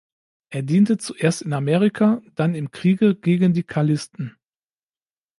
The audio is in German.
Er diente zuerst in Amerika, dann im Kriege gegen die Karlisten.